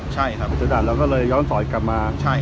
เจอด่านเราก็เลยย้อนสอดกลับมา